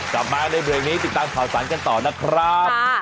กลับมาในเบรกนี้ติดตามข่าวสารกันต่อนะครับ